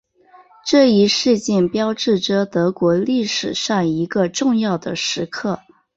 这一事件标志着德国历史上一个重要的时刻。